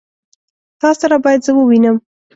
تا سره بايد زه ووينم.